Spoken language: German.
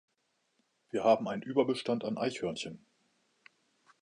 Wir haben einen Überbestand an Eichhörnchen.